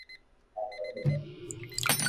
হ্যাঁঁ অথবা না?